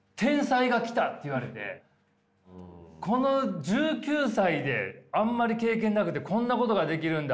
ほんならこの１９歳であんまり経験なくてこんなことができるんだ。